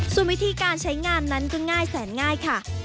ส่วนวิธีการใช้งานนั้นก็ง่ายแสนง่ายค่ะ